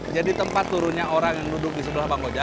jadi tempat turunnya orang yang duduk di sebelah bang kojak